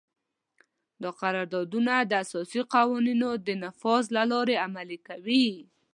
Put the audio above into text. دا قراردادونه د اساسي قوانینو د نفاذ له لارې عملي کوي.